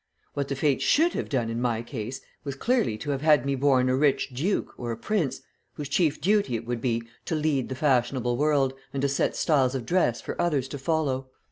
What the fates should have done in my case was clearly to have had me born a rich duke or a prince, whose chief duty it would be to lead the fashionable world and to set styles of dress for others to follow.